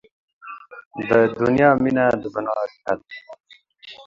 د دنیا مینه د ګناه ریښه ده.